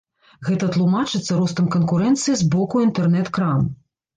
Гэта тлумачыцца ростам канкурэнцыі з бокуінтэрнэт-крам.